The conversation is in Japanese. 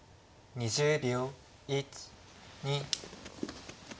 ２０秒。